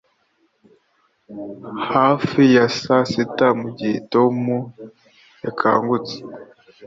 Hafi ya saa sita mugihe Tom yakangutse